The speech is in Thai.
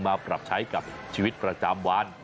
มาปรับใช้กับชีวิตประจำวัน